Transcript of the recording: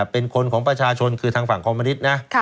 เป็นคนของประชาชนคือทางฝั่งคอมมณิตนะ